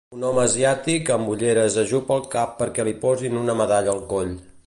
Un home asiàtic amb ulleres ajup el cap perquè li posin una medalla al coll.